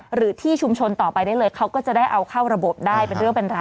หรือที่ชุมชนต่อไปได้เลยเขาก็จะได้เอาเข้าระบบได้เป็นเรื่องเป็นราว